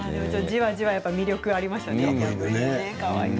じわじわと魅力がありましたね。